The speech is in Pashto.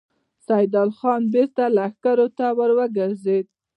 سيدال خان بېرته لښکر ته ور وګرځېد.